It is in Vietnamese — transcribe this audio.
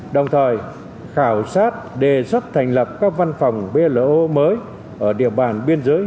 đồng thời khảo sát đề xuất thành lập các văn phòng bloo mới ở địa bàn biên giới